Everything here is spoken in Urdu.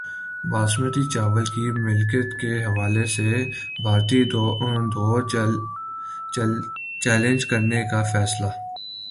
باسمتی چاول کی ملکیت کے حوالے سے بھارتی دعوی چیلنج کرنے کا فیصلہ